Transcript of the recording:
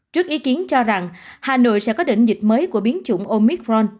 trước ý kiến cho rằng hà nội sẽ có đỉnh dịch mới của biến chủng omicron